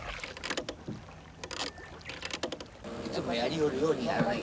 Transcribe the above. いつもやりよるようにやらないかん。